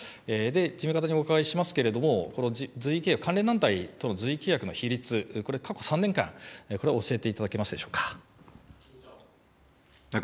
事務方にお伺いしますけれども、この随意契約、関連団体との随意契約の比率、これ、過去３年間、これを教えていただけますでしょうか。